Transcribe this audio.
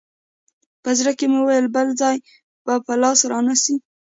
په زړه کښې مې وويل بل ځاى به په لاس را نه سې.